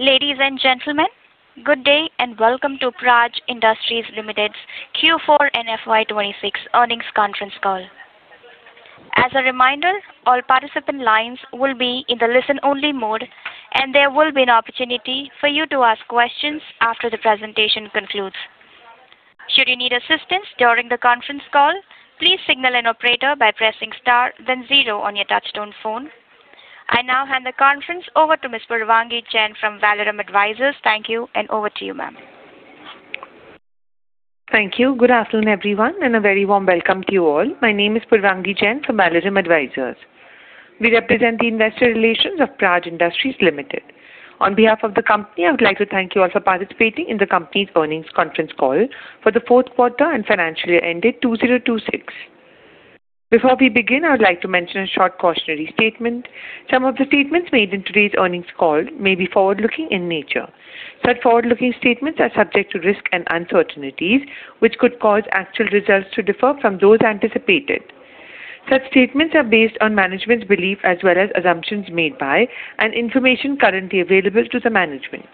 Ladies and gentlemen, good day and welcome to Praj Industries Limited's Q4 and FY 2026 earnings conference call. As a reminder, all participant lines will be in the listen only mode, and there will be an opportunity for you to ask questions after the presentation concludes. Should you need assistance during the conference call, please signal an operator by pressing star then zero on your touch tone phone. I now hand the conference over to Ms. Purvangi Jain from Valorem Advisors. Thank you, and over to you, ma'am. Thank you. Good afternoon, everyone, and a very warm welcome to you all. My name is Purvangi Jain from Valorem Advisors. We represent the investor relations of Praj Industries Limited. On behalf of the company, I would like to thank you all for participating in the company's earnings conference call for the fourth quarter and financial year ended 2026. Before we begin, I would like to mention a short cautionary statement. Some of the statements made in today's earnings call may be forward-looking in nature. Such forward-looking statements are subject to risks and uncertainties, which could cause actual results to differ from those anticipated. Such statements are based on management's belief as well as assumptions made by, and information currently available to the management.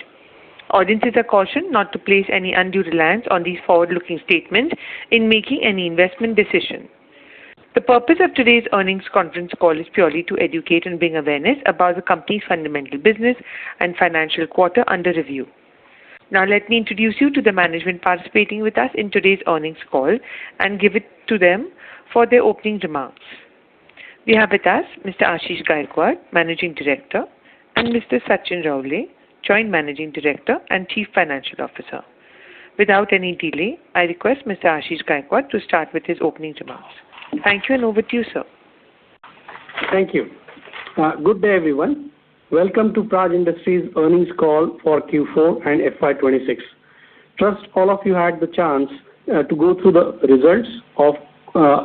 Audiences are cautioned not to place any undue reliance on these forward-looking statements in making any investment decisions. The purpose of today's earnings conference call is purely to educate and bring awareness about the company's fundamental business and financial quarter under review. Now let me introduce you to the management participating with us in today's earnings call and give it to them for their opening remarks. We have with us Mr. Ashish Gaikwad, Managing Director, and Mr. Sachin Raole, Joint Managing Director and Chief Financial Officer. Without any delay, I request Mr. Ashish Gaikwad to start with his opening remarks. Thank you, and over to you, sir. Thank you. Good day, everyone. Welcome to Praj Industries' earnings call for Q4 and FY 2026. First, all of you had the chance to go through the results of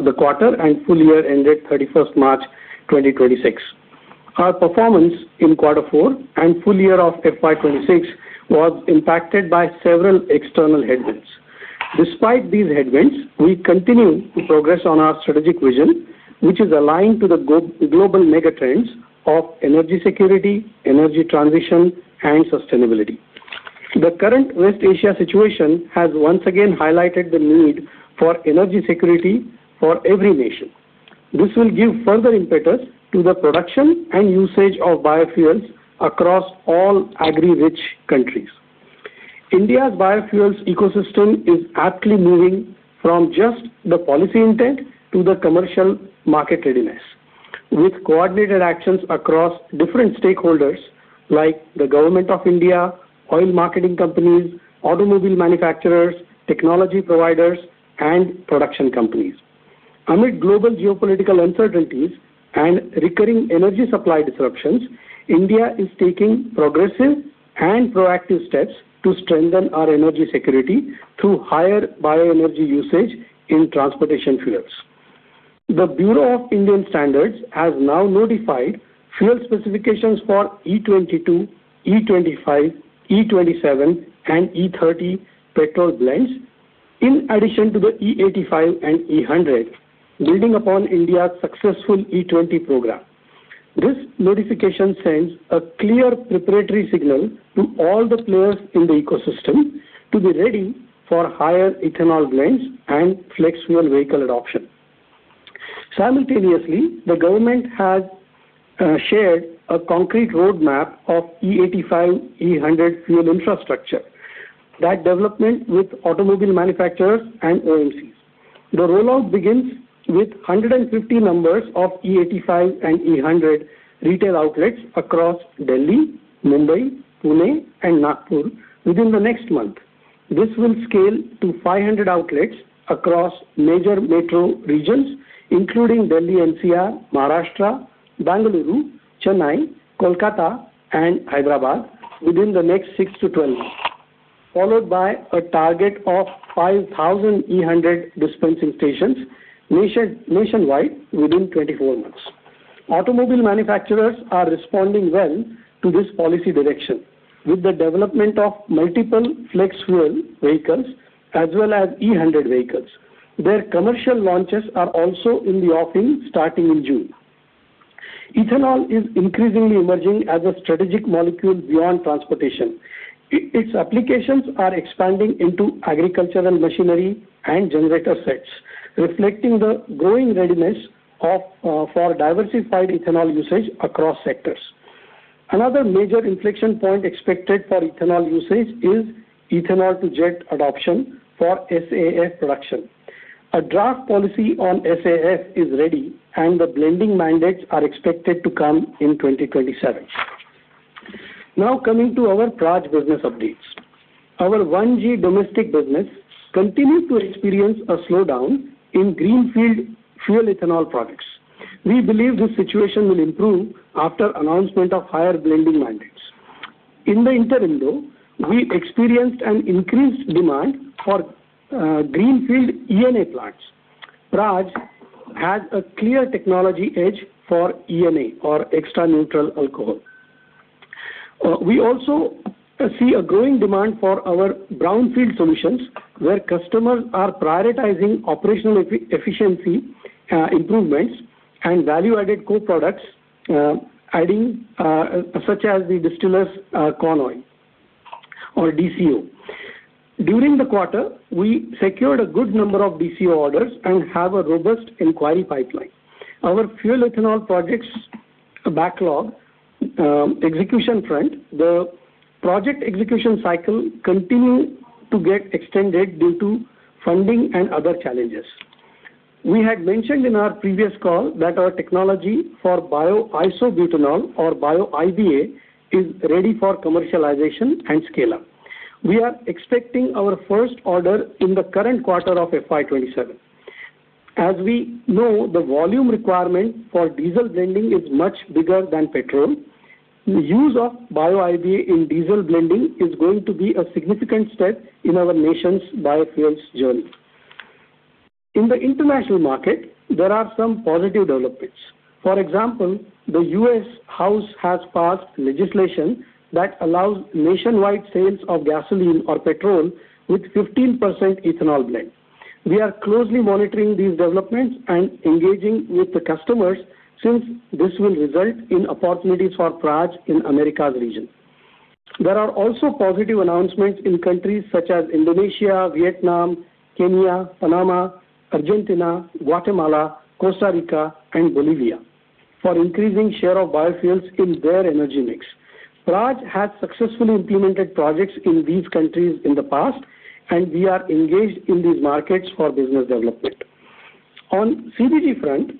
the quarter and full year ended 31st March 2026. Our performance in quarter four and full year of FY 2026 was impacted by several external headwinds. Despite these headwinds, we continue to progress on our strategic vision, which is aligned to the global mega trends of energy security, energy transition, and sustainability. The current West Asia situation has once again highlighted the need for energy security for every nation. This will give further impetus to the production and usage of biofuels across all agri-rich countries. India's biofuels ecosystem is aptly moving from just the policy intent to the commercial market readiness with coordinated actions across different stakeholders like the Government of India, oil marketing companies, automobile manufacturers, technology providers, and production companies. Amid global geopolitical uncertainties and recurring energy supply disruptions, India is taking progressive and proactive steps to strengthen our energy security through higher bioenergy usage in transportation fuels. The Bureau of Indian Standards has now notified fuel specifications for E22, E25, E27, and E30 petrol blends, in addition to the E85 and E100, building upon India's successful E20 program. This notification sends a clear preparatory signal to all the players in the ecosystem to be ready for higher ethanol blends and flex fuel vehicle adoption. Simultaneously, the government has shared a concrete roadmap of E85, E100 fuel infrastructure, that development with automobile manufacturers and OMCs. The rollout begins with 150 numbers of E85 and E100 retail outlets across Delhi, Mumbai, Pune, and Nagpur within the next month. This will scale to 500 outlets across major metro regions, including Delhi NCR, Maharashtra, Bengaluru, Chennai, Kolkata, and Hyderabad within the next 6-12 months, followed by a target of 5,000 E100 dispensing stations nationwide within 24 months. Automobile manufacturers are responding well to this policy direction with the development of multiple flex fuel vehicles as well as E100 vehicles. Their commercial launches are also in the offing starting in June. Ethanol is increasingly emerging as a strategic molecule beyond transportation. Its applications are expanding into agricultural machinery and generator sets, reflecting the growing readiness for diversified ethanol usage across sectors. Another major inflection point expected for ethanol usage is ethanol-to-jet adoption for SAF production. A draft policy on SAF is ready. The blending mandates are expected to come in 2027. Now coming to our Praj business updates. Our 1G domestic business continued to experience a slowdown in greenfield fuel ethanol projects. We believe this situation will improve after announcement of higher blending mandates. In the interim, though, we experienced an increased demand for greenfield ENA plants. Praj has a clear technology edge for ENA or Extra Neutral Alcohol. We also see a growing demand for our brownfield solutions, where customers are prioritizing operational efficiency improvements and value-added co-products, adding such as the distillers corn oil or DCO. During the quarter, we secured a good number of DCO orders and have a robust inquiry pipeline. Our fuel ethanol projects backlog, execution front, the project execution cycle continue to get extended due to funding and other challenges. We had mentioned in our previous call that our technology for bio isobutanol or bio IBA, is ready for commercialization and scale-up. We are expecting our first order in the current quarter of FY 2027. As we know, the volume requirement for diesel blending is much bigger than petrol. The use of bio IBA in diesel blending is going to be a significant step in our nation's biofuels journey. In the international market, there are some positive developments. For example, the U.S. House has passed legislation that allows nationwide sales of gasoline or petrol with 15% ethanol blend. We are closely monitoring these developments and engaging with the customers since this will result in opportunities for Praj in America's region. There are also positive announcements in countries such as Indonesia, Vietnam, Kenya, Panama, Argentina, Guatemala, Costa Rica, and Bolivia for increasing share of biofuels in their energy mix. Praj has successfully implemented projects in these countries in the past, and we are engaged in these markets for business development. On CBG front,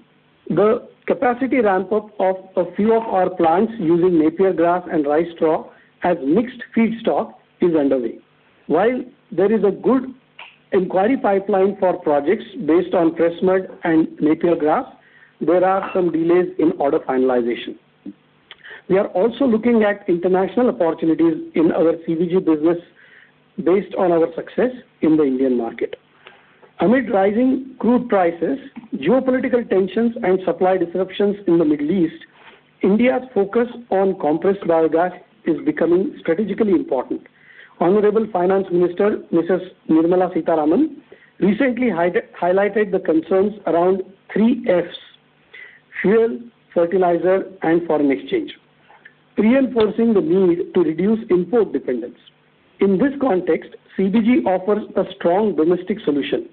the capacity ramp-up of a few of our plants using Napier grass and rice straw as mixed feedstock is underway. While there is a good inquiry pipeline for projects based on Pressmud and Napier grass, there are some delays in order finalization. We are also looking at international opportunities in our CBG business based on our success in the Indian market. Amid rising crude prices, geopolitical tensions, and supply disruptions in the Middle East, India's focus on compressed biogas is becoming strategically important. Honorable Finance Minister Mrs. Nirmala Sitharaman recently highlighted the concerns around three Fs, fuel, fertilizer, and foreign exchange, reinforcing the need to reduce import dependence. In this context, CBG offers a strong domestic solution.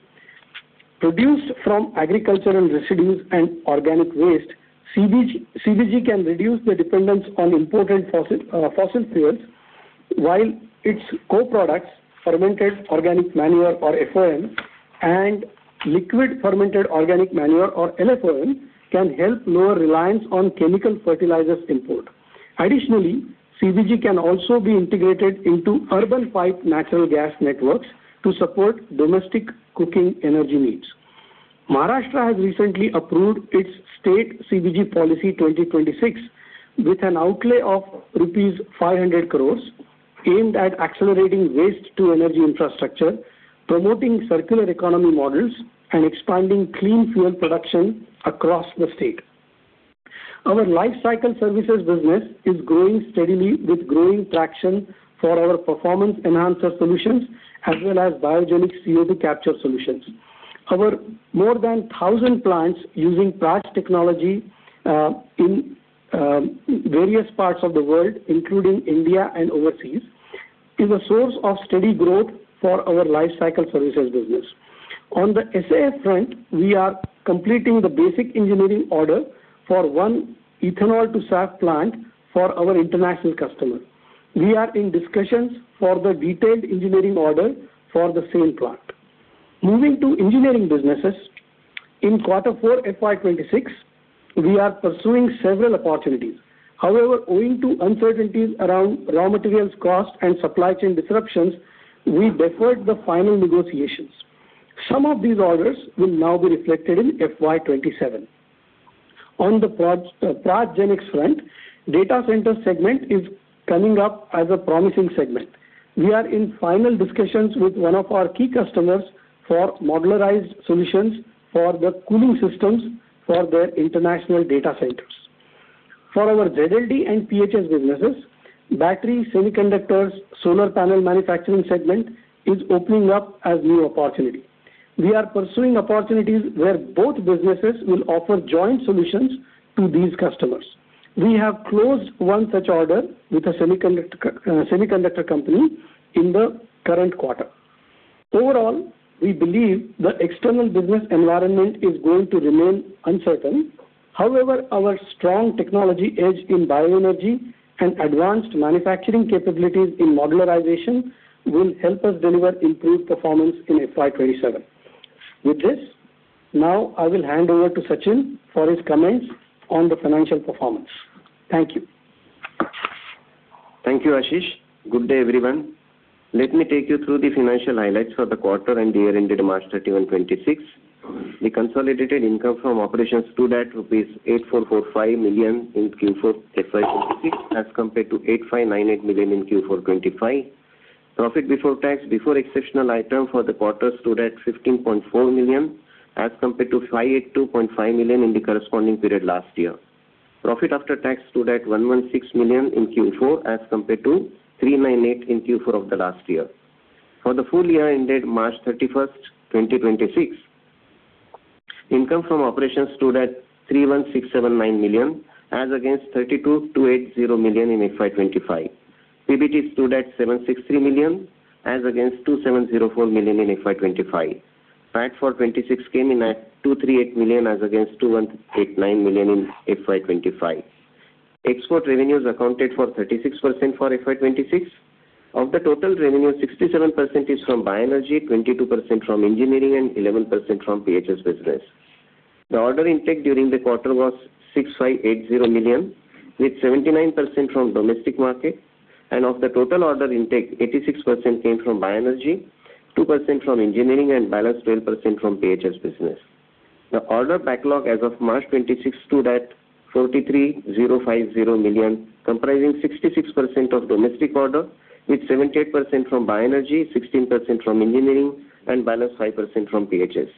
Produced from agricultural residues and organic waste, CBG can reduce the dependence on imported fossil fuels, while its co-products, fermented organic manure or FOM, and liquid fermented organic manure or LFOM, can help lower reliance on chemical fertilizers import. Additionally, CBG can also be integrated into urban piped natural gas networks to support domestic cooking energy needs. Maharashtra has recently approved its state CBG Policy 2026, with an outlay of rupees 500 crores aimed at accelerating waste-to-energy infrastructure, promoting circular economy models, and expanding clean fuel production across the state. Our lifecycle services business is growing steadily with growing traction for our performance enhancer solutions as well as Biogenex CO2 capture solutions. Our more than 1,000 plants using Praj technology, in various parts of the world, including India and overseas, is a source of steady growth for our lifecycle services business. On the SAF front, we are completing the basic engineering order for one ethanol-to-SAF plant for our international customer. We are in discussions for the detailed engineering order for the same plant. Moving to engineering businesses. In quarter four FY 2026, we are pursuing several opportunities. However, owing to uncertainties around raw materials cost and supply chain disruptions, we deferred the final negotiations. Some of these orders will now be reflected in FY 2027. On the PrajGenX front, data center segment is coming up as a promising segment. We are in final discussions with one of our key customers for modularized solutions for the cooling systems for their international data centers. For our ZLD and PHS businesses, battery, semiconductors, solar panel manufacturing segment is opening up as new opportunity. We are pursuing opportunities where both businesses will offer joint solutions to these customers. We have closed one such order with a semiconductor company in the current quarter. Overall, we believe the external business environment is going to remain uncertain. However, our strong technology edge in bioenergy and advanced manufacturing capabilities in modularization will help us deliver improved performance in FY 2027. With this, now I will hand over to Sachin for his comments on the financial performance. Thank you. Thank you, Ashish. Good day, everyone. Let me take you through the financial highlights for the quarter and year ended March 31, 2026. The consolidated income from operations stood at rupees 8,445 million in Q4 FY 2026 as compared to 8,598 million in Q4 FY 2025. Profit before tax, before exceptional item for the quarter stood at 15.4 million as compared to 582.5 million in the corresponding period last year. Profit after tax stood at 116 million in Q4 as compared to 398 million in Q4 of the last year. For the full year ended March 31, 2026, income from operations stood at 31, 679,000, as against 3,228.0 million in FY 2025. PBT stood at 763 million, as against 270.4 million in FY 2025. PAT for 2026 came in at 238 million, as against 218.9 million in FY 2025. Export revenues accounted for 36% for FY 2026. Of the total revenue, 67% is from bioenergy, 22% from engineering, and 11% from PHS business. The order intake during the quarter was 6,580 million, with 79% from domestic market, and of the total order intake, 86% came from bioenergy, 2% from engineering, and balance 12% from PHS business. The order backlog as of March 26 stood at 43,050 million, comprising 66% of domestic order, with 78% from bioenergy, 16% from engineering, and balance 5% from PHS.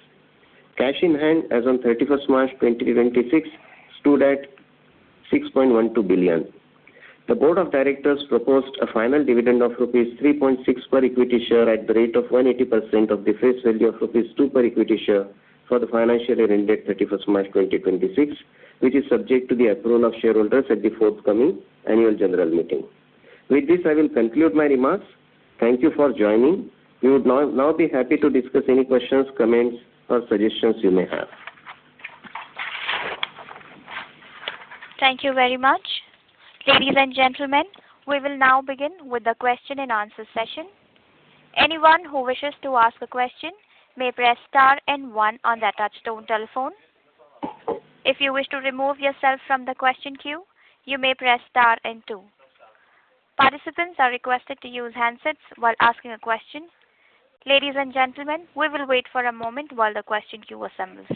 Cash in hand as on 31st March 2026 stood at 6.12 billion. The board of directors proposed a final dividend of rupees 3.6 per equity share at the rate of 180% of the face value of rupees 2 per equity share for the financial year ended 31st March 2026, which is subject to the approval of shareholders at the forthcoming annual general meeting. With this, I will conclude my remarks. Thank you for joining. We would now be happy to discuss any questions, comments, or suggestions you may have. Thank you very much. Ladies and gentlemen, we will now begin with the question and answer session. Anyone who wishes to ask a question may press star and one on their touchtone telephone. If you wish to remove your self from the question queue, you may press star and two. Participants are requested to use handsets while asking questions. Ladies and gentlemen, we will wait for a moment while the question queue assembles.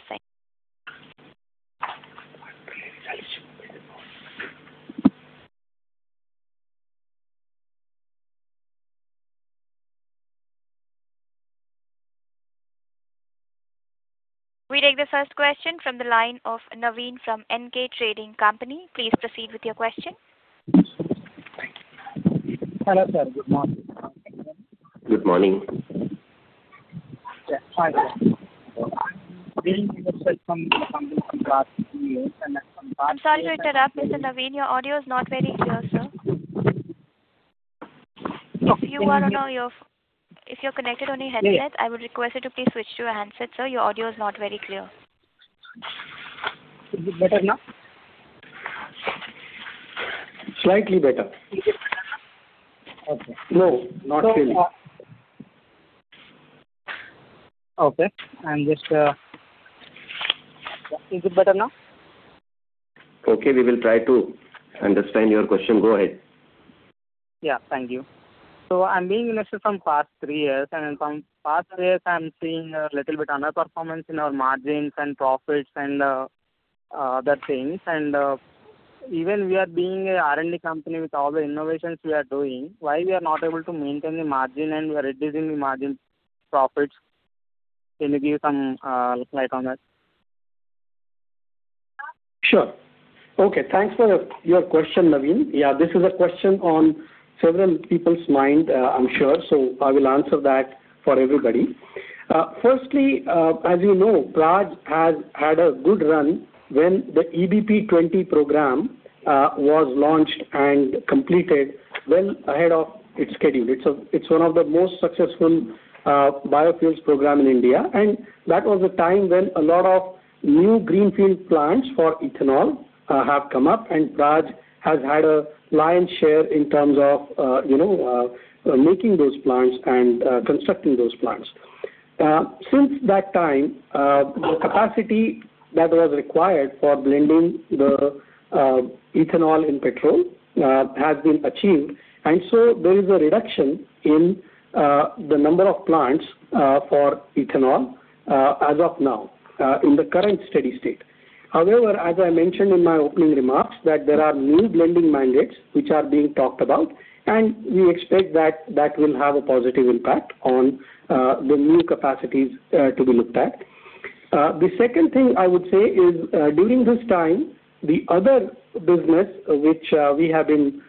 We take the first question from the line of Naveen from N.K. Trading Company. Please proceed with your question. Thank you. Hello, sir. Good morning. Good morning. Yeah. Hi. I'm sorry to interrupt, Mr. Naveen, your audio is not very clear, sir. If you're connected on your handset, I would request you to please switch to a handset, sir. Your audio is not very clear. Is it better now? Slightly better. Is it better now? Okay. No, not really. Okay. Is it better now? Okay. We will try to understand your question. Go ahead. Yeah. Thank you. I'm being an investor from past three years, and from past three years, I'm seeing a little bit underperformance in our margins and profits and other things. Even we are being a R&D company with all the innovations we are doing, why we are not able to maintain the margin and we're reducing the margin profits? Sure. Okay. Thanks for your question, Naveen. Yeah, this is a question on several people's mind, I'm sure. I will answer that for everybody. Firstly, as you know, Praj has had a good run when the EBP 20 program was launched and completed well ahead of its schedule. It's one of the most successful biofuels program in India, and that was a time when a lot of new greenfield plants for ethanol have come up and Praj has had a lion's share in terms of making those plants and constructing those plants. Since that time, the capacity that was required for blending the ethanol in petrol has been achieved, there is a reduction in the number of plants for ethanol as of now, in the current steady state. As I mentioned in my opening remarks, that there are new blending mandates which are being talked about. We expect that will have a positive impact on the new capacities to be looked at. The second thing I would say is, during this time, the other business which we have been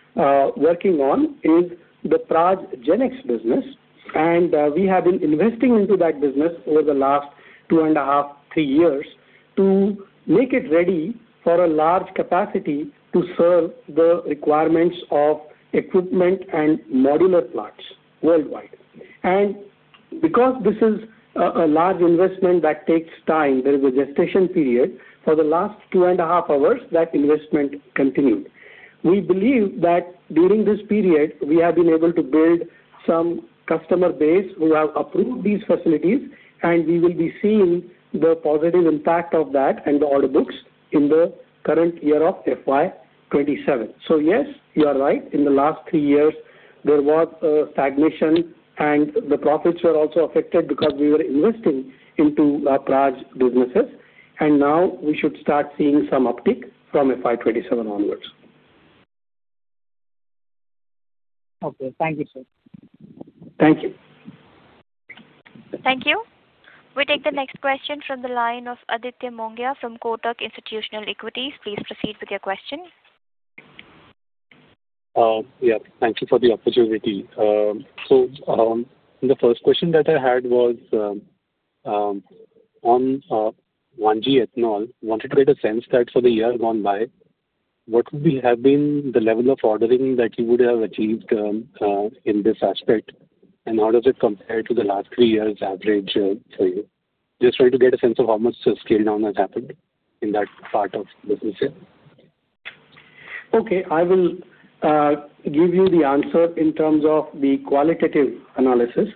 working on is the Praj GenX business. We have been investing into that business over the last two and a half, three years to make it ready for a large capacity to serve the requirements of equipment and modular plants worldwide. Because this is a large investment that takes time, there is a gestation period. For the last two and a half hours, that investment continued. We believe that during this period, we have been able to build some customer base who have approved these facilities, and we will be seeing the positive impact of that in the order books in the current year of FY 2027. Yes, you are right. In the last three years, there was a stagnation, and the profits were also affected because we were investing into our Praj businesses, and now we should start seeing some uptick from FY 2027 onwards. Okay. Thank you, sir. Thank you. Thank you. We take the next question from the line of Aditya Mongia from Kotak Institutional Equities. Please proceed with your question. Yeah. Thank you for the opportunity. The first question that I had was on 1G ethanol. Wanted to get a sense that for the year gone by, what would have been the level of ordering that you would have achieved in this aspect, and how does it compare to the last three years' average for you? Just trying to get a sense of how much scale-down has happened in that part of the business here. I will give you the answer in terms of the qualitative analysis.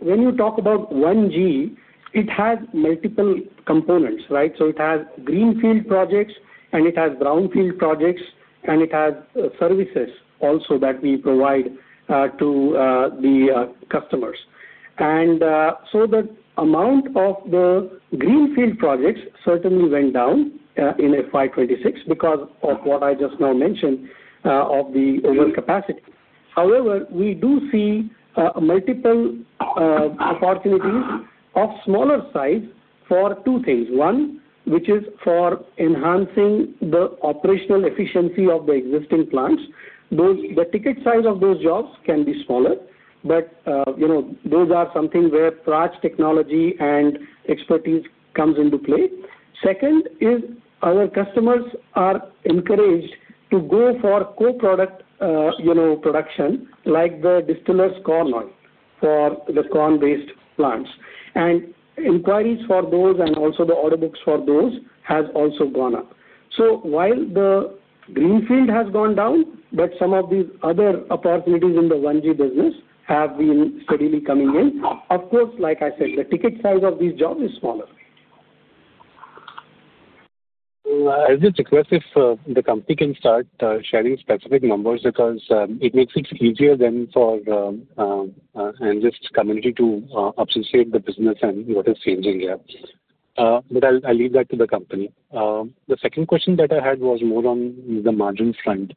When you talk about 1G, it has multiple components, right? It has greenfield projects, it has brownfield projects, it has services also that we provide to the customers. The amount of the greenfield projects certainly went down in FY 2026 because of what I just now mentioned, of the overcapacity. However, we do see multiple opportunities of smaller size for two things. One, which is for enhancing the operational efficiency of the existing plants. The ticket size of those jobs can be smaller, but those are something where Praj technology and expertise comes into play. Second is our customers are encouraged to go for co-product production, like the distillers corn oil for the corn-based plants. Inquiries for those and also the order books for those has also gone up. While the greenfield has gone down, some of these other opportunities in the 1G business have been steadily coming in. Of course, like I said, the ticket size of these jobs is smaller. I'll just request if the company can start sharing specific numbers because it makes it easier then for analysts community to appreciate the business and what is changing here. I'll leave that to the company. The second question that I had was more on the margin front.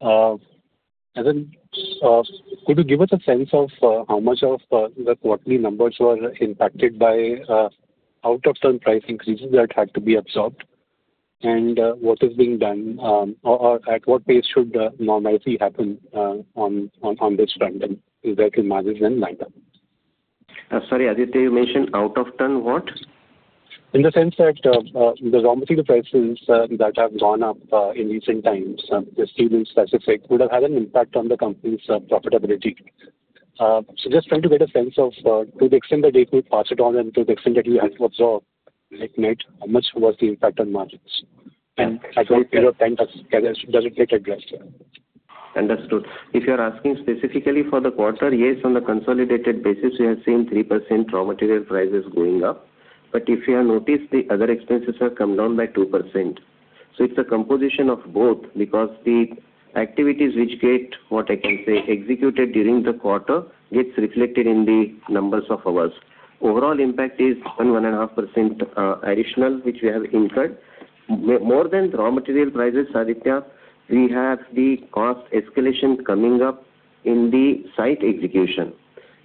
Could you give us a sense of how much of the quarterly numbers were impacted by out of turn price increases that had to be absorbed, and what is being done, or at what pace should normalcy happen on this front and is that in management mind? Sorry, Aditya, you mentioned out of turn what? In the sense that the raw material prices that have gone up in recent times, the steel in specific, would have had an impact on the company's profitability. Just trying to get a sense of, to the extent that they could pass it on and to the extent that you had to absorb, net-net, how much was the impact on margins? As one figure, that should get addressed here. Understood. If you're asking specifically for the quarter, yes, on the consolidated basis, we have seen 3% raw material prices going up. If you have noticed, the other expenses have come down by 2%. It's a composition of both because the activities which get, what I can say, executed during the quarter gets reflected in the numbers of ours. Overall impact is on 1.5% additional, which we have incurred. More than raw material prices, Aditya, we have the cost escalation coming up in the site execution.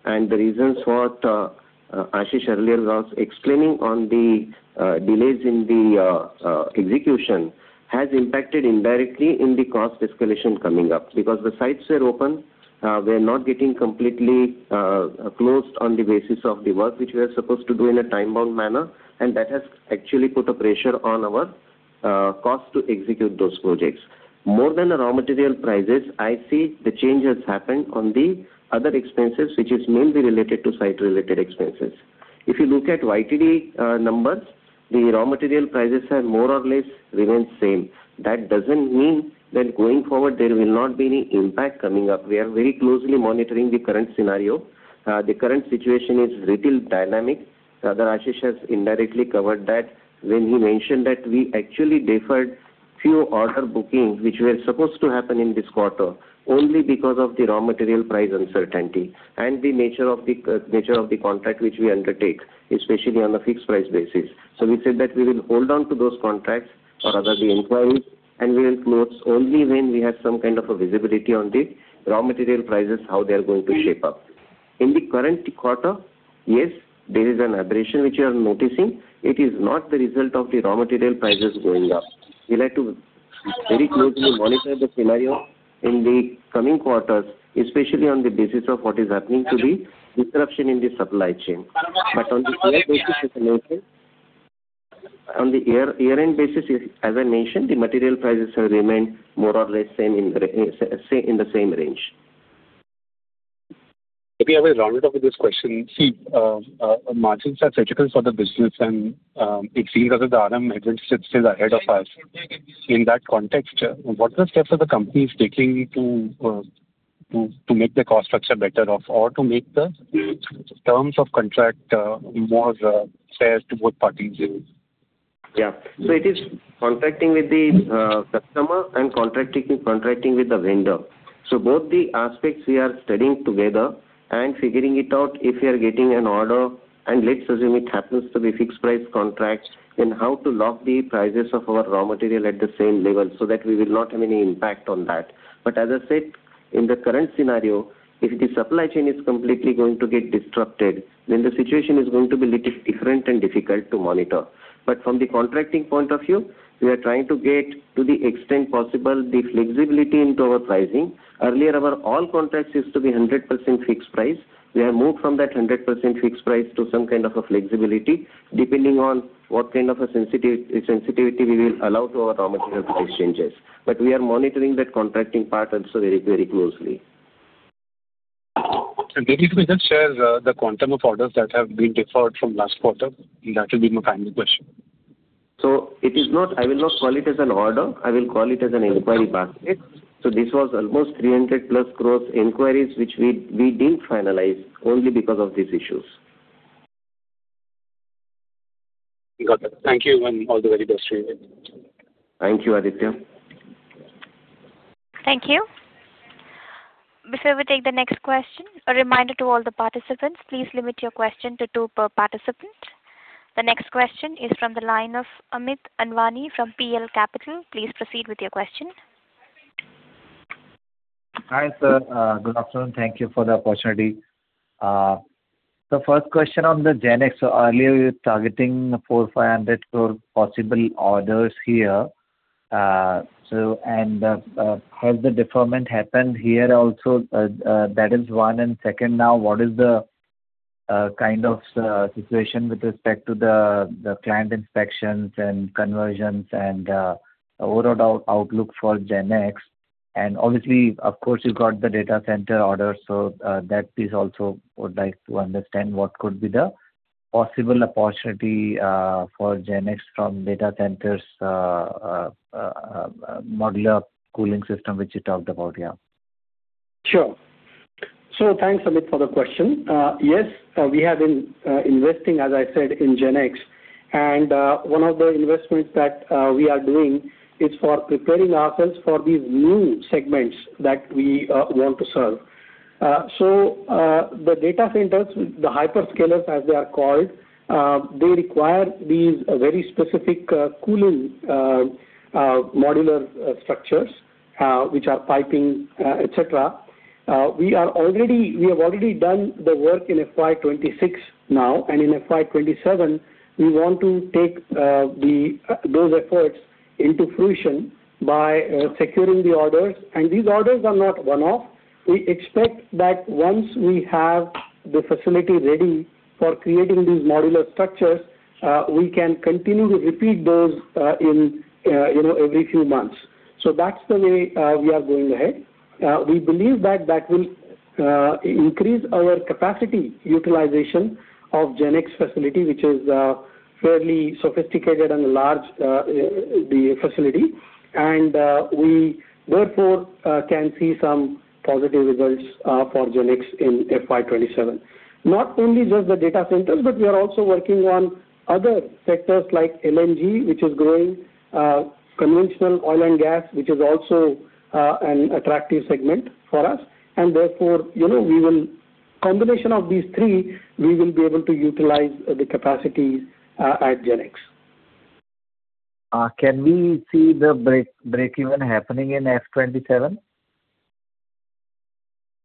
The reasons what Ashish earlier was explaining on the delays in the execution has impacted indirectly in the cost escalation coming up because the sites were open. They're not getting completely closed on the basis of the work which we are supposed to do in a time-bound manner. That has actually put a pressure on our cost to execute those projects. More than the raw material prices, I see the change has happened on the other expenses, which is mainly related to site related expenses. If you look at YTD numbers, the raw material prices have more or less remained same. That doesn't mean that going forward, there will not be any impact coming up. We are very closely monitoring the current scenario. The current situation is little dynamic. Rather, Ashish has indirectly covered that when he mentioned that we actually deferred few order bookings, which were supposed to happen in this quarter, only because of the raw material price uncertainty and the nature of the contract which we undertake, especially on a fixed price basis. We said that we will hold on to those contracts or rather the inquiries, and we will close only when we have some kind of a visibility on the raw material prices, how they're going to shape up. In the current quarter, yes, there is an aberration which you are noticing. It is not the result of the raw material prices going up. We'll have to very closely monitor the scenario in the coming quarters, especially on the basis of what is happening to the disruption in the supply chain. On the year end basis, as I mentioned, the material prices have remained more or less in the same range. Maybe I will round it up with this question. Margins are critical for the business, and it seems as if the RM headwind sits still ahead of us. In that context, what are the steps that the company is taking to make the cost structure better off or to make the terms of contract more fair to both parties? Yeah. It is contracting with the customer and contracting with the vendor. Both the aspects we are studying together and figuring it out if we are getting an order, and let's assume it happens to be fixed price contract, then how to lock the prices of our raw material at the same level so that we will not have any impact on that. As I said, in the current scenario, if the supply chain is completely going to get disrupted, then the situation is going to be little different and difficult to monitor. From the contracting point of view, we are trying to get to the extent possible the flexibility into our pricing. Earlier, our all contracts used to be 100% fixed price. We have moved from that 100% fixed price to some kind of a flexibility. Depending on what kind of a sensitivity, we will allow to our raw material price changes. We are monitoring that contracting part also very closely. Could you please just share the quantum of orders that have been deferred from last quarter? That will be my final question. I will not call it as an order. I will call it as an inquiry basket. This was almost 300+ gross inquiries, which we didn't finalize only because of these issues. Got it. Thank you, and all the very best to you. Thank you, Aditya. Thank you. Before we take the next question, a reminder to all the participants, please limit your question to two per participant. The next question is from the line of Amit Anwani from PL Capital. Please proceed with your question. Hi, sir. Good afternoon. Thank you for the opportunity. The first question on the GenX. Earlier, you were targeting 400, 500 possible orders here. Has the deferment happened here also? That is one. Second, now, what is the kind of situation with respect to the client inspections and conversions, and overall outlook for GenX? Obviously, of course, you got the data center order, that piece also would like to understand what could be the possible opportunity for GenX from data centers' modular cooling system, which you talked about. Yeah. Sure. Thanks, Amit, for the question. Yes, we have been investing, as I said, in GenX. One of the investments that we are doing is for preparing ourselves for these new segments that we want to serve. The data centers, the hyperscalers, as they are called, they require these very specific cooling modular structures which are piping, et cetera. We have already done the work in FY 2026 now, and in FY 2027, we want to take those efforts into fruition by securing the orders. These orders are not one-off. We expect that once we have the facility ready for creating these modular structures, we can continue to repeat those in every few months. That's the way we are going ahead. We believe that will increase our capacity utilization of GenX facility, which is a fairly sophisticated and large facility. We, therefore, can see some positive results for GenX in FY 2027. Not only just the data centers, but we are also working on other sectors like LNG, which is growing, conventional oil and gas, which is also an attractive segment for us. Therefore, combination of these three, we will be able to utilize the capacities at GenX. Can we see the break-even happening in FY 2027?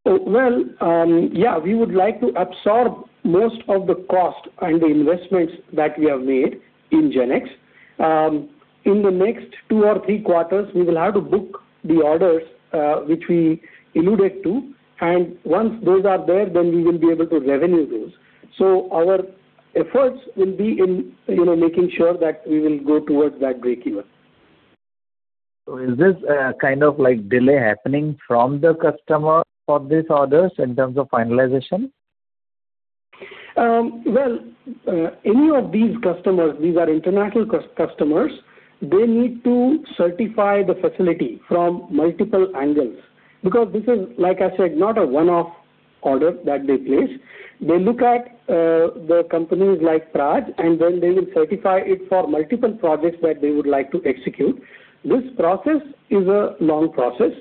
Well, yeah. We would like to absorb most of the cost and the investments that we have made in GenX. In the next two or three quarters, we will have to book the orders which we alluded to. Once those are there, we will be able to revenue those. Our efforts will be in making sure that we will go towards that break-even. Is this kind of delay happening from the customer for these orders in terms of finalization? Well, any of these customers, these are international customers. They need to certify the facility from multiple angles, because this is, like I said, not a one-off order that they place. They look at the companies like Praj, they will certify it for multiple projects that they would like to execute. This process is a long process.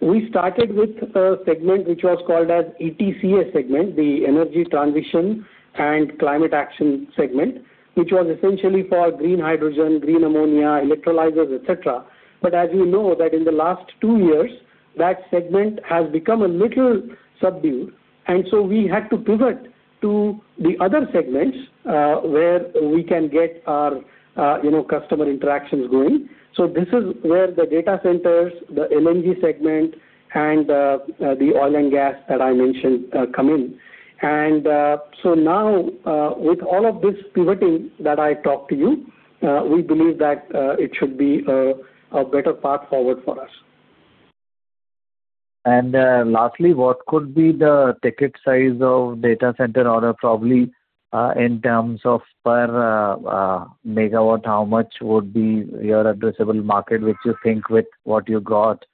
We started with a segment which was called as ETCA segment, the Energy Transition and Climate Action segment, which was essentially for green hydrogen, green ammonia, electrolyzers, et cetera. As you know that in the last two years, that segment has become a little subdued. We had to pivot to the other segments, where we can get our customer interactions going. This is where the data centers, the LNG segment, and the oil and gas that I mentioned come in. Now, with all of this pivoting that I talked to you, we believe that it should be a better path forward for us. Lastly, what could be the ticket size of data center order, probably in terms of per megawatt? How much would be your addressable market, which you think with what you got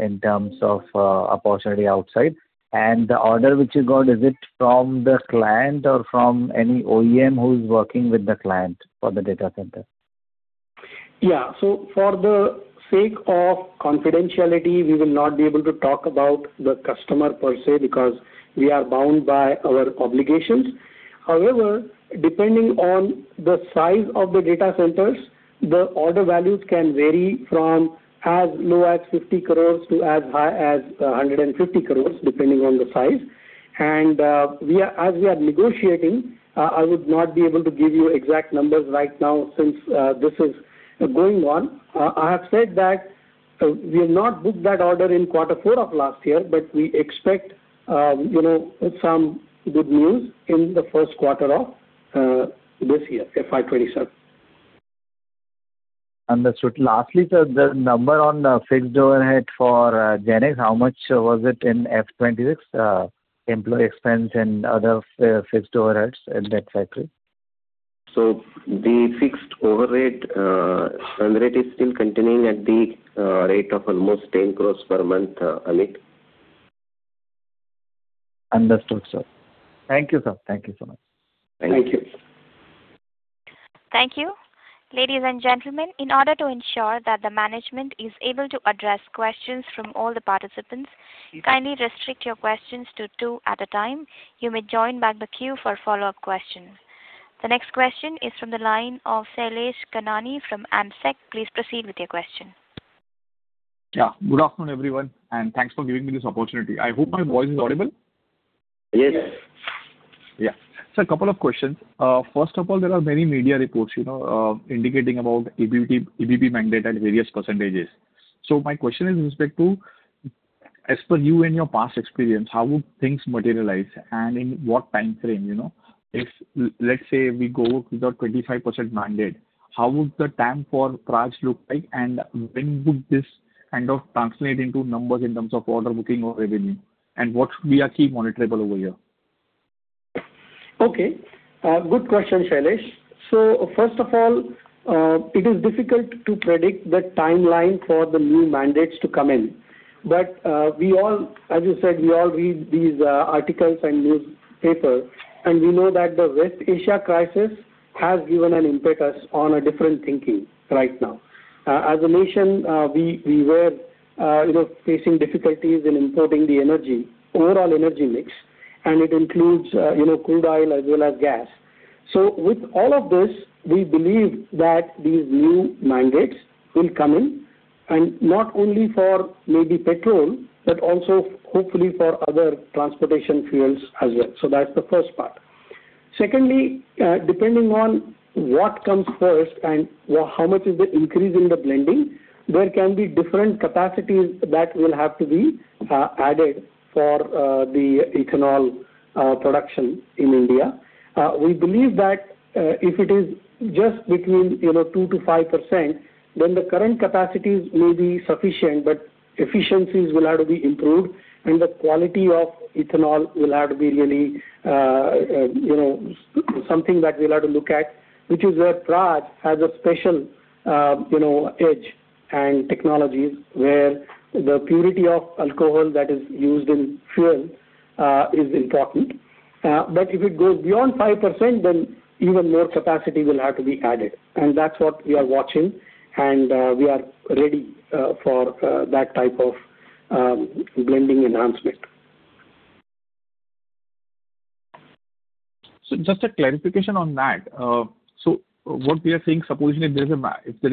in terms of opportunity outside? The order which you got, is it from the client or from any OEM who is working with the client for the data center? Yeah. For the sake of confidentiality, we will not be able to talk about the customer per se, because we are bound by our obligations. However, depending on the size of the data centers, the order values can vary from as low as 50 crores to as high as 150 crores, depending on the size. As we are negotiating, I would not be able to give you exact numbers right now since this is going on. I have said that we have not booked that order in quarter four of last year, but we expect some good news in the first quarter of this year, FY 2027. Understood. Lastly, sir, the number on fixed overhead for GenX, how much was it in FY 2026? Employee expense and other fixed overheads at that factory. The fixed overhead run rate is still continuing at the rate of almost 10 crores per month, Amit. Understood, sir. Thank you, sir. Thank you so much. Thank you. Thank you. Ladies and gentlemen, in order to ensure that the management is able to address questions from all the participants, kindly restrict your questions to two at a time. You may join back the queue for follow-up questions. The next question is from the line of Shailesh Kanani from AMSEC. Please proceed with your question. Yeah. Good afternoon, everyone. Thanks for giving me this opportunity. I hope my voice is audible. Yes. A couple of questions. First of all, there are many media reports indicating about EBP mandate at various percentages. My question is in respect to, as per you and your past experience, how would things materialize and in what time frame? If, let's say, we go with our 25% mandate, how would the time for Praj look like, and when would this kind of translate into numbers in terms of order booking or revenue? What should be our key monetizable over here? Okay. Good question, Shailesh. First of all, it is difficult to predict the timeline for the new mandates to come in. As you said, we all read these articles and newspapers, and we know that the West Asia crisis has given an impetus on a different thinking right now. As a nation, we were facing difficulties in importing the energy, overall energy mix, and it includes crude oil as well as gas. With all of this, we believe that these new mandates will come in and not only for maybe petrol, but also hopefully for other transportation fuels as well. That's the first part. Secondly, depending on what comes first and how much is the increase in the blending, there can be different capacities that will have to be added for the ethanol production in India We believe that if it is just between 2%-5%, then the current capacities may be sufficient, but efficiencies will have to be improved and the quality of ethanol will have to be really something that we'll have to look at, which is where Praj has a special edge and technologies where the purity of alcohol that is used in fuel is important. If it goes beyond 5%, then even more capacity will have to be added. That's what we are watching, and we are ready for that type of blending enhancement. Just a clarification on that. What we are saying, supposing if there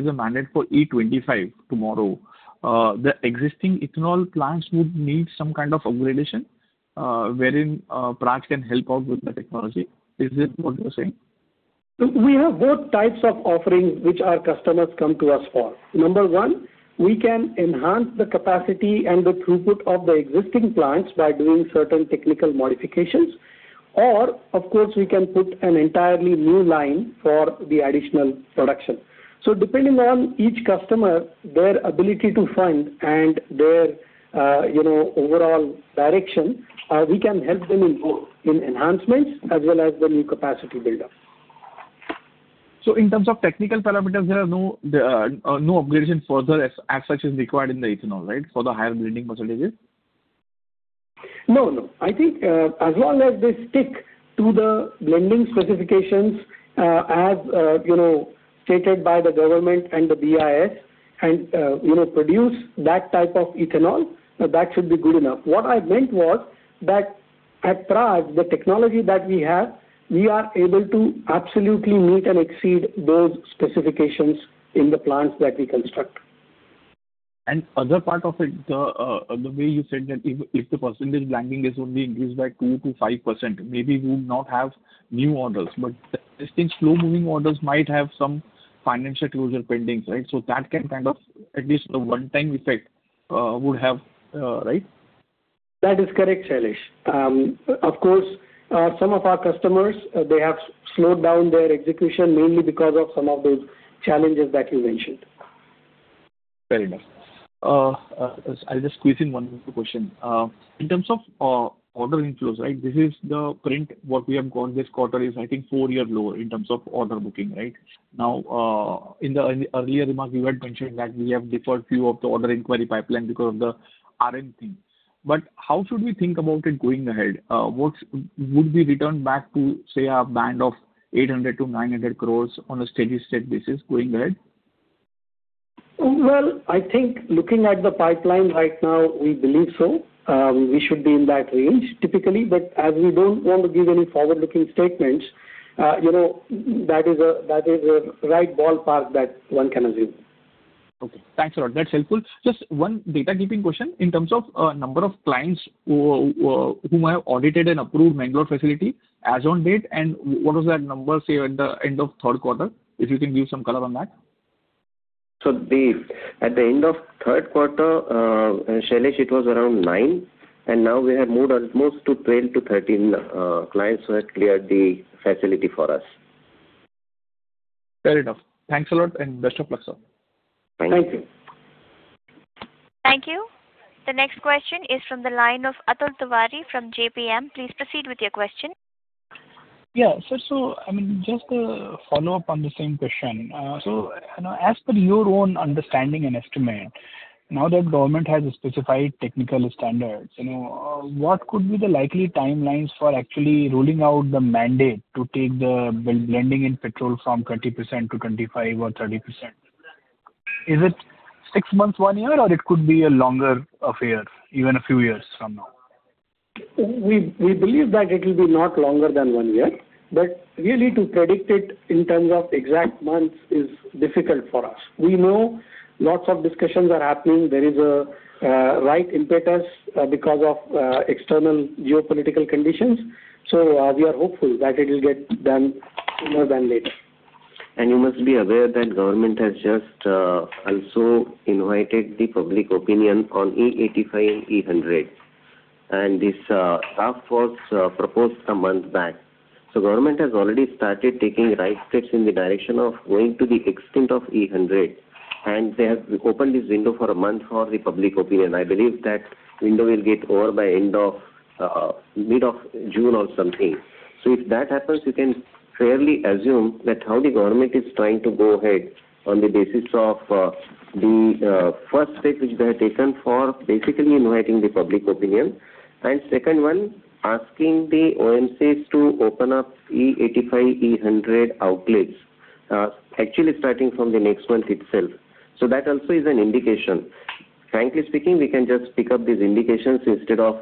is a mandate for E25 tomorrow, the existing ethanol plants would need some kind of upgradation, wherein Praj can help out with the technology. Is this what you're saying? We have both types of offerings which our customers come to us for. Number one, we can enhance the capacity and the throughput of the existing plants by doing certain technical modifications. Of course, we can put an entirely new line for the additional production. Depending on each customer, their ability to fund and their overall direction, we can help them in both, in enhancements as well as the new capacity buildup. In terms of technical parameters, there are no upgradation further as such is required in the ethanol, right? For the higher blending percentages? No, no. I think as long as they stick to the blending specifications as stated by the government and the BIS, and produce that type of ethanol, that should be good enough. What I meant was that at Praj, the technology that we have, we are able to absolutely meet and exceed those specifications in the plants that we construct. Other part of it, the way you said that if the percentage blending is only increased by 2%-5%, maybe we would not have new orders, but existing slow-moving orders might have some financial closure pendings, right? That can kind of, at least a one-time effect would have, right? That is correct, Shailesh. Of course, some of our customers, they have slowed down their execution mainly because of some of those challenges that you mentioned. Fair enough. I'll just squeeze in one or two questions. In terms of order inflows, right? This is the print, what we have called this quarter is I think four year lower in terms of order booking, right? In the earlier remarks, you had mentioned that we have deferred few of the order inquiry pipeline because of the RM thing. How should we think about it going ahead? Would we return back to, say, a band of 800-900 crores on a steady-state basis going ahead? Well, I think looking at the pipeline right now, we believe so. We should be in that range typically, but as we don't want to give any forward-looking statements, that is a right ballpark that one can assume. Okay. Thanks a lot. That's helpful. Just one data-digging question in terms of number of clients whom I have audited and approved Mangaluru facility as on date, and what was that number, say at the end of third quarter? If you can give some color on that? At the end of third quarter, Shailesh, it was around nine, and now we have moved almost to 12-13 clients who had cleared the facility for us. Fair enough. Thanks a lot, and best of luck, sir. Thank you. Thank you. The next question is from the line of Atul Tiwari from JPM. Please proceed with your question. Yeah, sir. Just a follow-up on the same question. As per your own understanding and estimate, now that Government has specified technical standards, what could be the likely timelines for actually rolling out the mandate to take the blending in petrol from 20%-25 or 30%? Is it six months, one year, or it could be longer, even a few years from now? We believe that it will be not longer than one year, but really to predict it in terms of exact months is difficult for us. We know lots of discussions are happening. There is a right impetus because of external geopolitical conditions, so we are hopeful that it will get done sooner than later. You must be aware that Government has just also invited the public opinion on E85, E100, and this draft was proposed a month back. Government has already started taking right steps in the direction of going to the extent of E100, and they have opened this window for a month for the public opinion. I believe that window will get over by mid of June or something. If that happens, you can fairly assume that how the Government is trying to go ahead on the basis of the first step, which they have taken for basically inviting the public opinion. Second one, asking the OMCs to open up E85, E100 outlets, actually starting from the next month itself. That also is an indication. Frankly speaking, we can just pick up these indications instead of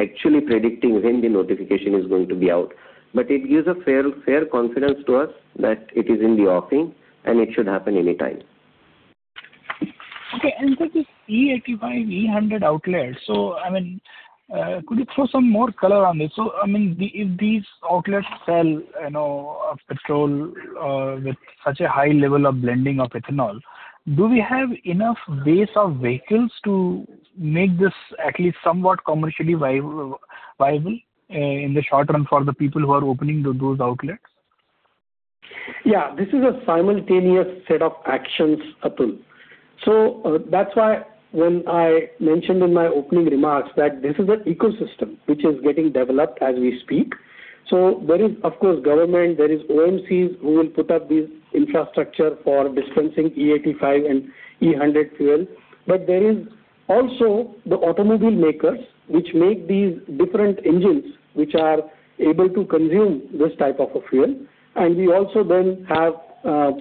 actually predicting when the notification is going to be out, but it gives a fair confidence to us that it is in the offing, and it should happen anytime. Okay, sir, this E85, E100 outlet. Could you throw some more color on this? If these outlets sell petrol with such a high level of blending of ethanol, do we have enough base of vehicles to make this at least somewhat commercially viable in the short run for the people who are opening those outlets? Yeah. This is a simultaneous set of actions, Atul. That's why when I mentioned in my opening remarks that this is an ecosystem which is getting developed as we speak. There is, of course, government, there is OMCs who will put up this infrastructure for dispensing E85 and E100 fuel. There is also the automobile makers, which make these different engines, which are able to consume this type of a fuel. We also then have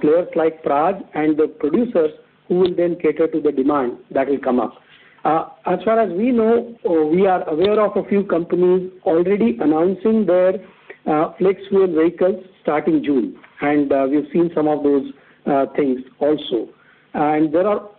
players like Praj and the producers who will then cater to the demand that will come up. As far as we know, we are aware of a few companies already announcing their flex fuel vehicles starting June, and we have seen some of those things also. There are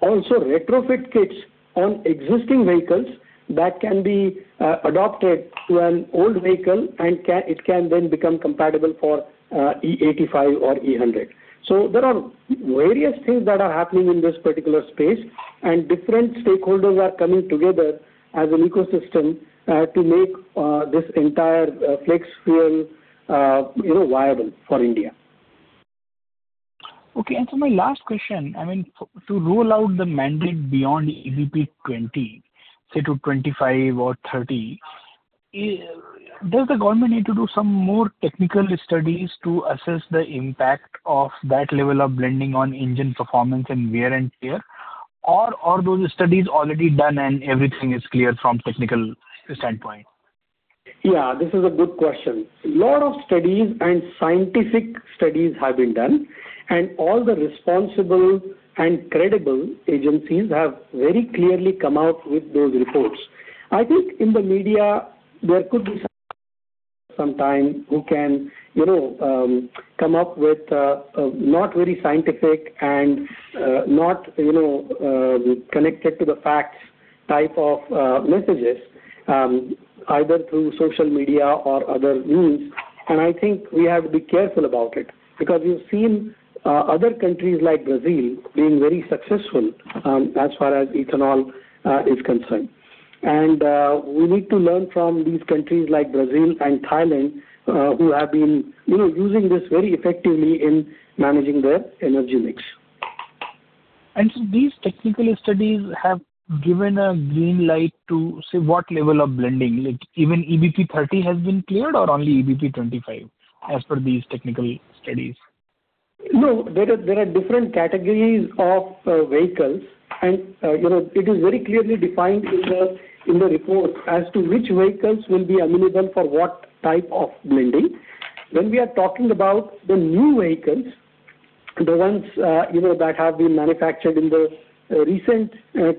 also retrofit kits on existing vehicles that can be adopted to an old vehicle, and it can then become compatible for E85 or E100. There are various things that are happening in this particular space, and different stakeholders are coming together as an ecosystem to make this entire flex fuel viable for India. Okay. My last question, to roll out the mandate beyond EBP 20, say to 25 or 30, does the government need to do some more technical studies to assess the impact of that level of blending on engine performance and wear and tear? Are those studies already done and everything is clear from technical standpoint? Yeah, this is a good question. Lot of studies and scientific studies have been done, and all the responsible and credible agencies have very clearly come out with those reports. I think in the media, there could be sometimes who can come up with not very scientific and not connected to the facts type of messages, either through social media or other means, and I think we have to be careful about it, because we've seen other countries like Brazil being very successful as far as ethanol is concerned. We need to learn from these countries like Brazil and Thailand who have been using this very effectively in managing their energy mix. These technical studies have given a green light to, say, what level of blending? Like even EBP 30 has been cleared or only EBP 25, as per these technical studies? There are different categories of vehicles, and it is very clearly defined in the report as to which vehicles will be amenable for what type of blending. When we are talking about the new vehicles, the ones that have been manufactured in the recent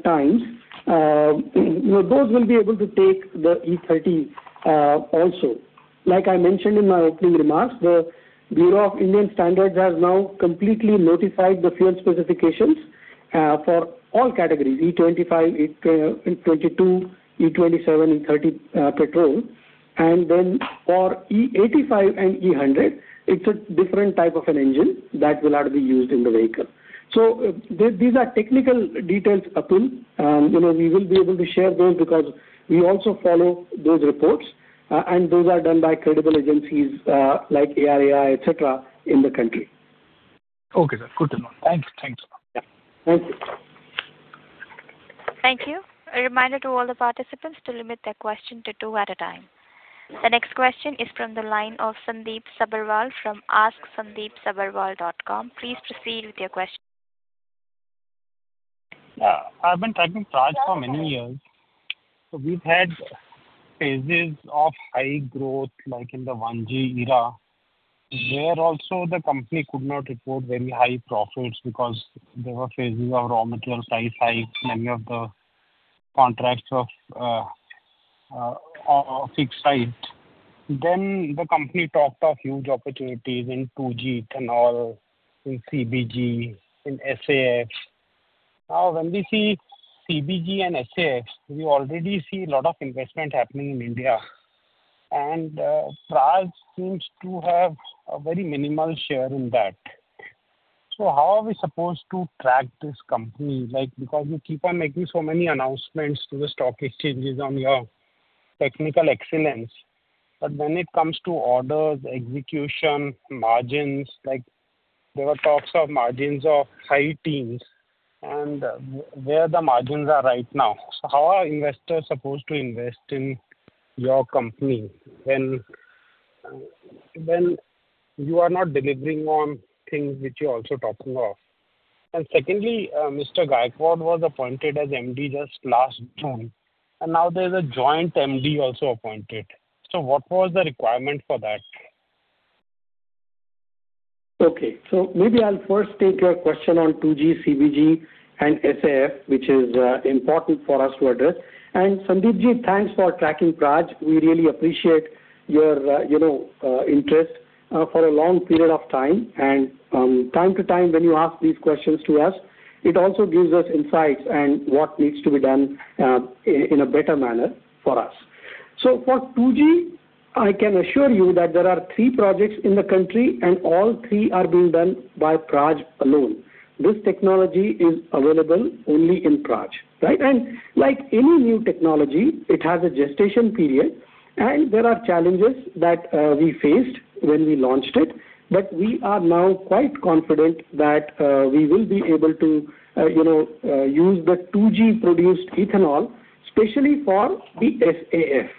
times, those will be able to take the E30 also. Like I mentioned in my opening remarks, the Bureau of Indian Standards has now completely notified the fuel specifications for all categories, E25, E22, E27, E30 petrol. For E85 and E100, it's a different type of an engine that will have to be used in the vehicle. These are technical details, Atul. We will be able to share those because we also follow those reports, and those are done by credible agencies like ARAI, et cetera, in the country. Okay, sir. Good to know. Thanks. Yeah. Thank you. Thank you. A reminder to all the participants to limit their question to two at a time. The next question is from the line of Sandip Sabharwal from Asksandipsabharwal.com. Please proceed with your question. Yeah. I've been tracking Praj for many years. We've had phases of high growth, like in the 1G era, where also the company could not report very high profits because there were phases of raw material price hike, many of the contracts were fixed price. The company talked of huge opportunities in 2G ethanol, in CBG, in SAF. When we see CBG and SAF, we already see a lot of investment happening in India, and Praj seems to have a very minimal share in that. How are we supposed to track this company? You keep on making so many announcements to the stock exchanges on your technical excellence. When it comes to orders, execution, margins, there were talks of margins of high teens and where the margins are right now, how are investors supposed to invest in your company when you are not delivering on things which you are also talking of? Secondly, Mr. Gaikwad was appointed as MD just last June, and now there's a joint MD also appointed. What was the requirement for that? Okay. Maybe I'll first take your question on 2G, CBG and SAF, which is important for us to address. Sandip Ji, thanks for tracking Praj. We really appreciate your interest for a long period of time. From time to time when you ask these questions to us, it also gives us insights and what needs to be done in a better manner for us. For 2G, I can assure you that there are three projects in the country, and all three are being done by Praj alone. This technology is available only in Praj. Like any new technology, it has a gestation period, and there are challenges that we faced when we launched it. We are now quite confident that we will be able to use the 2G-produced ethanol, especially for the SAF.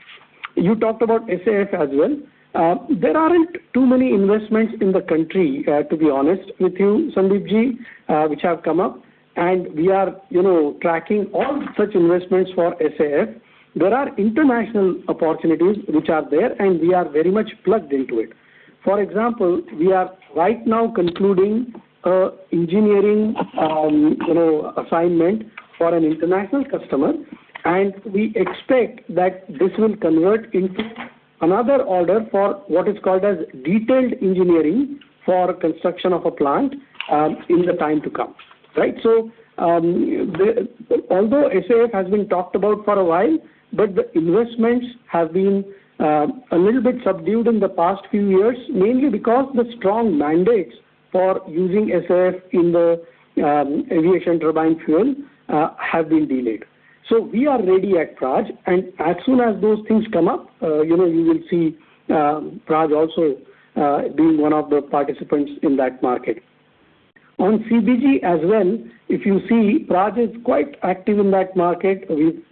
You talked about SAF as well. There aren't too many investments in the country, to be honest with you, Sandip Ji, which have come up. We are tracking all such investments for SAF. There are international opportunities which are there. We are very much plugged into it. For example, we are right now concluding a engineering assignment for an international customer. We expect that this will convert into another order for what is called a detailed engineering for construction of a plant in the time to come. Although SAF has been talked about for a while, the investments have been a little bit subdued in the past few years, mainly because the strong mandates for using SAF in the aviation turbine fuel have been delayed. We are ready at Praj, and as soon as those things come up, you will see Praj also being one of the participants in that market. CBG as well, if you see, Praj is quite active in that market.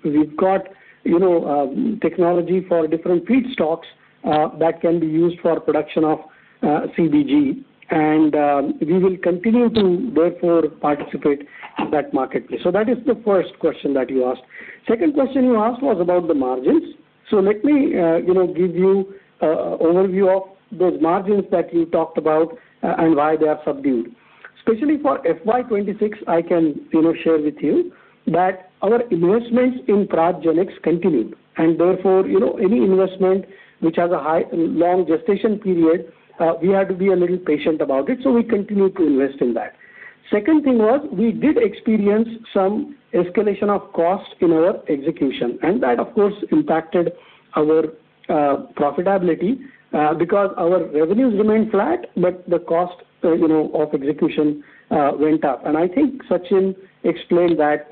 We've got technology for different feedstocks that can be used for production of CBG, and we will continue to therefore participate in that marketplace. That is the first question that you asked. Second question you asked was about the margins. Let me give you an overview of those margins that you talked about and why they are subdued. Especially for FY 2026, I can share with you that our investments in Praj GenX continued, and therefore, any investment which has a long gestation period, we had to be a little patient about it. We continued to invest in that. Second thing was we did experience some escalation of cost in our execution, and that, of course, impacted our profitability because our revenues remained flat, but the cost of execution went up. I think Sachin explained that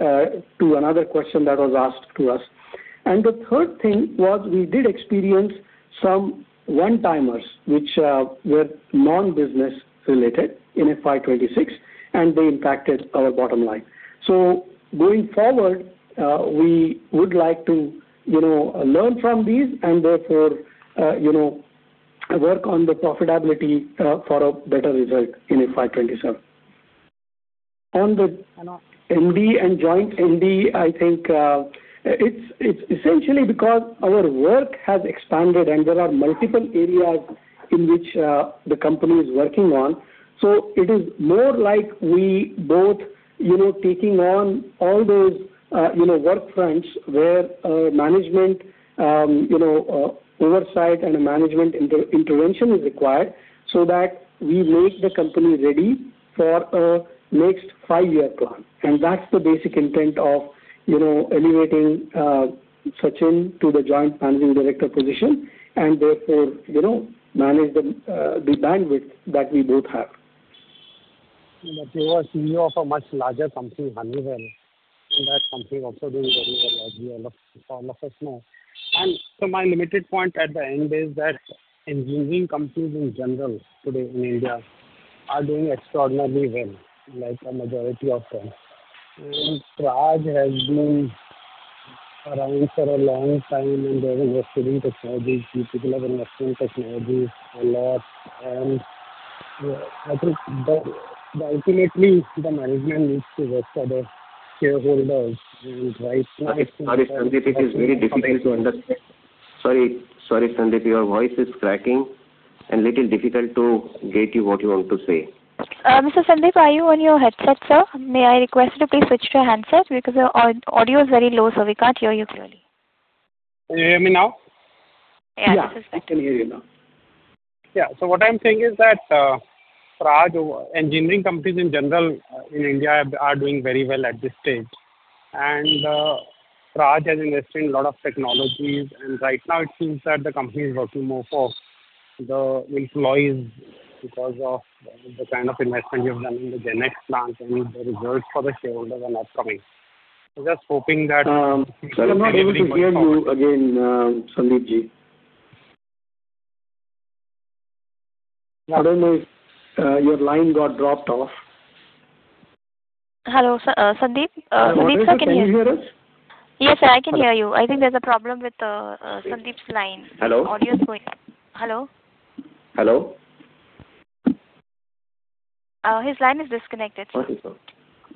to another question that was asked to us. The third thing was we did experience some one-timers, which were non-business related in FY 2026, and they impacted our bottom line. Going forward, we would like to learn from these and therefore work on the profitability for a better result in FY 2027. On the MD and Joint MD, I think it's essentially because our work has expanded and there are multiple areas in which the company is working on. It is more like we both taking on all those work fronts where oversight and management intervention is required so that we make the company ready for a next five-year plan. That's the basic intent of elevating Sachin to the Joint Managing Director position, and therefore manage the bandwidth that we both have. You were CEO of a much larger company, Honeywell, and that company is also doing very well as we all of us know. My limited point at the end is that engineering companies in general today in India are doing extraordinarily well, like a majority of them. Praj has been around for a long time, and they're investing in technologies. These people have invested in technologies a lot, and I think ultimately the management needs to work for the shareholders. Sorry, Sandip, your voice is cracking and little difficult to get you what you want to say. Mr. Sandip, are you on your headset, sir? May I request you to please switch to handset because your audio is very low, sir. We can't hear you clearly. Can you hear me now? Yeah. Yeah. We can hear you now. Yeah. What I'm saying is that engineering companies in general in India are doing very well at this stage. Praj has invested in lot of technologies, and right now it seems that the company is working more for the employees because of the kind of investment you're running, the GenX plant, and the results for the shareholders are not coming. Just hoping that. Sir, I'm not able to hear you again, Sandip Ji. I don't know. Your line got dropped off. Hello, Sandip. Sandip sir, can you hear me? Can you hear us? Yes, sir. I can hear you. I think there's a problem with Sandip's line. Hello? Audio is going Hello? Hello? His line is disconnected, sir. Okay.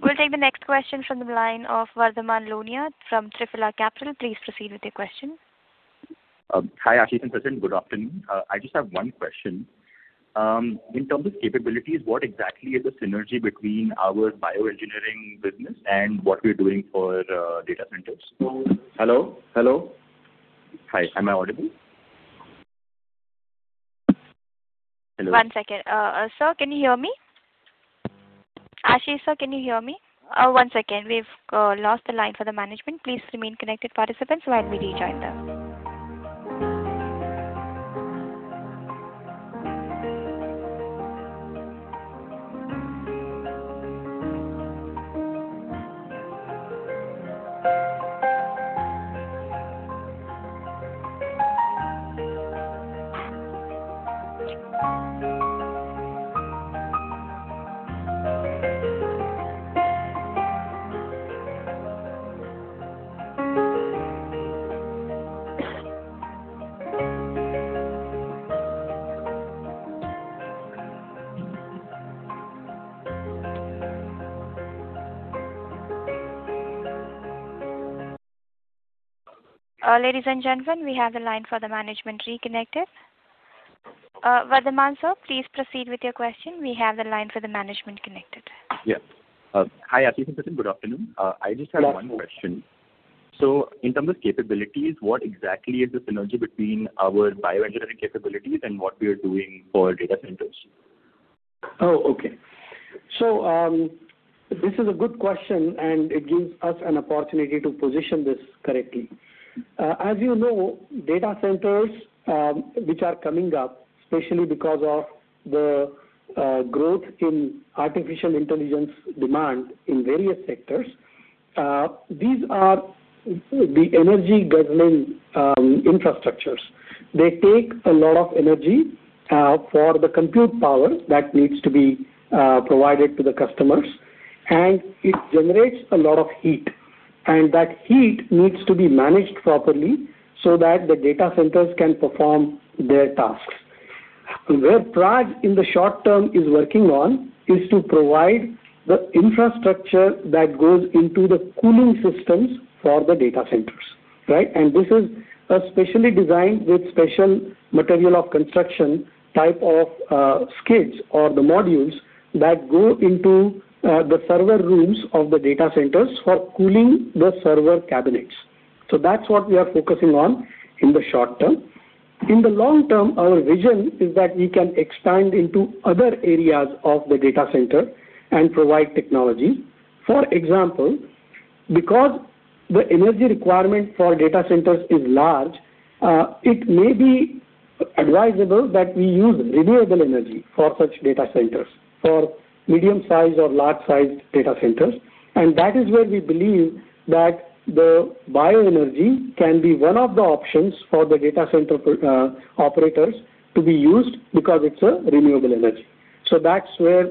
We'll take the next question from the line of Vardhman Lonia from Triphala Capital. Please proceed with your question. Hi, Ashish and Sachin. Good afternoon. I just have one question. In terms of capabilities, what exactly is the synergy between our bioengineering business and what we're doing for data centers? Hello? Hello? Hi. Am I audible? Hello. One second. Sir, can you hear me? Ashish sir, can you hear me? One second. We've lost the line for the management. Please remain connected, participants, while we rejoin them. Ladies and gentlemen, we have the line for the management reconnected. Vardhman sir, please proceed with your question. We have the line for the management connected. Hi, Ashish and Sachin. Good afternoon. I just have one question. In terms of capabilities, what exactly is the synergy between our bioengineering capabilities and what we are doing for data centers? Okay, this is a good question, and it gives us an opportunity to position this correctly. As you know, data centers which are coming up, especially because of the growth in artificial intelligence demand in various sectors, these are the energy-guzzling infrastructures. They take a lot of energy for the compute power that needs to be provided to the customers, and it generates a lot of heat. That heat needs to be managed properly so that the data centers can perform their tasks. Where Praj, in the short term, is working on is to provide the infrastructure that goes into the cooling systems for the data centers. Right? This is a specially designed with special material of construction type of skids or the modules that go into the server rooms of the data centers for cooling the server cabinets. That's what we are focusing on in the short term. In the long term, our vision is that we can expand into other areas of the data center and provide technology. For example, because the energy requirement for data centers is large, it may be advisable that we use renewable energy for such data centers, for medium-sized or large-sized data centers. That is where we believe that the bioenergy can be one of the options for the data center operators to be used because it's a renewable energy. That's where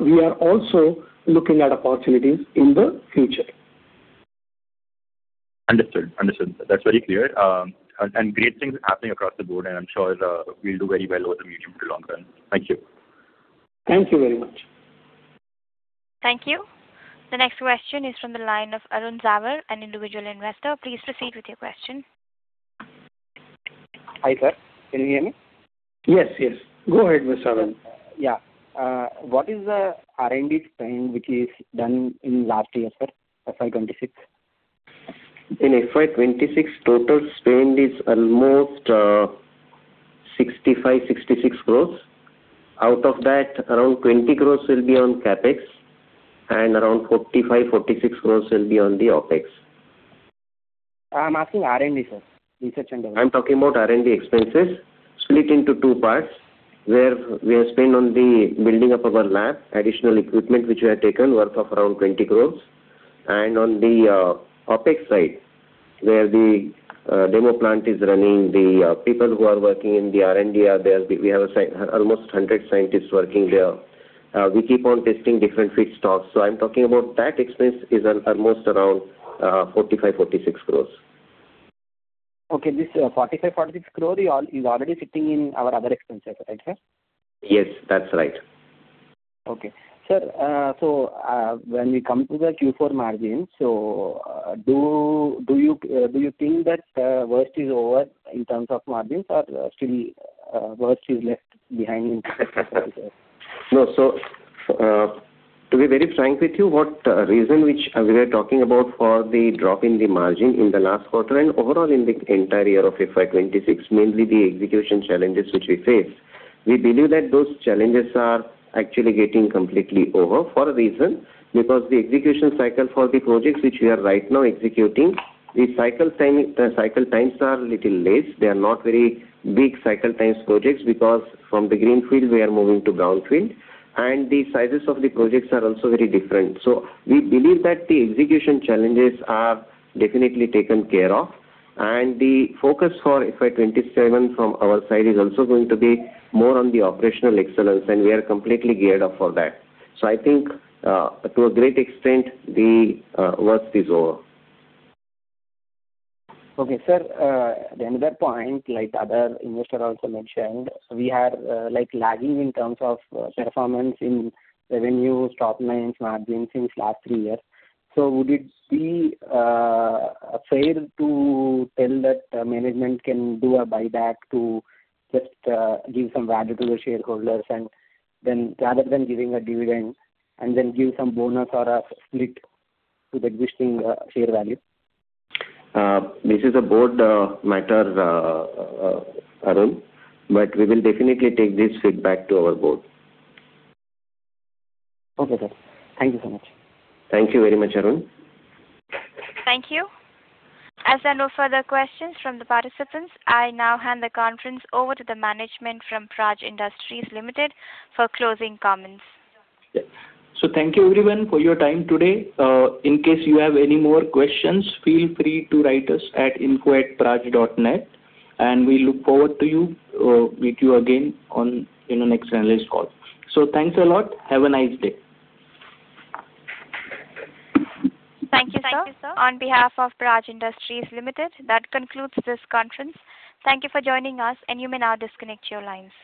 we are also looking at opportunities in the future. Understood. That's very clear. Great things are happening across the board, and I'm sure we'll do very well over the medium to long term. Thank you. Thank you very much. Thank you. The next question is from the line of Arun Javar, an individual investor. Please proceed with your question. Hi, sir. Can you hear me? Yes. Go ahead, Mr. Arun. What is the R&D spend which is done in last year, sir, FY 2026? In FY 2026, total spend is almost 65 crore, 66 crore. Out of that, around 20 crore will be on CapEx, and around 45 crore, 46 crore will be on the OpEx. I'm asking R&D, sir. Research and Development. I'm talking about R&D expenses split into two parts, where we have spent on the building up of our lab, additional equipment which we have taken worth of around 20 crores. On the OpEx side, where the demo plant is running, the people who are working in the R&D are there. We have almost 100 scientists working there. We keep on testing different feedstocks. I'm talking about that expense is almost around 45 crores, 46 crores. Okay, this 45 crore, 46 crore is already sitting in our other expenses, right, sir? Yes, that's right. Okay. Sir, when we come to the Q4 margin, do you think that worst is over in terms of margins or still worst is left behind in terms of... No. To be very frank with you, what reason which we were talking about for the drop in the margin in the last quarter and overall in the entire year of FY 2026, mainly the execution challenges which we faced. We believe that those challenges are actually getting completely over for a reason, because the execution cycle for the projects which we are right now executing, the cycle times are little less. They are not very big cycle times projects because from the greenfield we are moving to brownfield, and the sizes of the projects are also very different. We believe that the execution challenges are definitely taken care of and the focus for FY 2027 from our side is also going to be more on the operational excellence and we are completely geared up for that. I think to a great extent, the worst is over. Okay, sir. The another point, like other investor also mentioned, we are lagging in terms of performance in revenues, top lines, margins since last three years. Would it be fair to tell that management can do a buyback to just give some value to the shareholders, and then rather than giving a dividend, and then give some bonus or a split to the existing share value? This is a board matter, Arun, but we will definitely take this feedback to our board. Okay, sir. Thank you so much. Thank you very much, Arun. Thank you. As there are no further questions from the participants, I now hand the conference over to the management from Praj Industries Limited for closing comments. Thank you everyone for your time today. In case you have any more questions, feel free to write us at info@praj.net, and we look forward to meet you again in the next analyst call. Thanks a lot. Have a nice day. Thank you, sir. On behalf of Praj Industries Limited, that concludes this conference. Thank you for joining us, and you may now disconnect your lines.